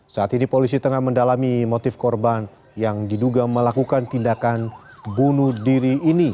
saat ini polisi tengah mendalami motif korban yang diduga melakukan tindakan bunuh diri ini